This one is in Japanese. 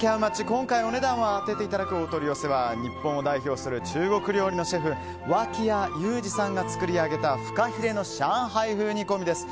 今回お値段を当てていただくお取り寄せは日本を代表する中国料理のシェフ脇屋友詞さんが作り上げたフカヒレの上海風煮込みです。